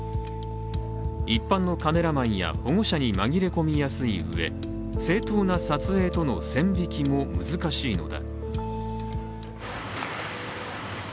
一般のカメラマンや保護者に紛れ込みやすいうえ正当な撮影との線引きも難しいのだ。